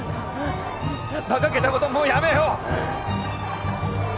バカげたこともうやめよう。